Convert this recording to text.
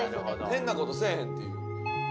変な事せえへんっていう。